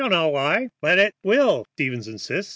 "] "I don't know why, but it will," Stevens insists.